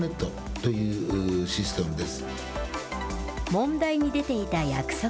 問題に出ていた約束。